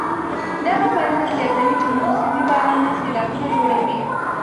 دغه فرضیه زیاتوي چې موسمي بارانونه سېلابونه جوړوي.